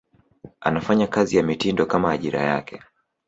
anafanya kazi ya mitindo Kama ajira yake